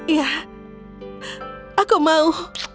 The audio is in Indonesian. ya aku mau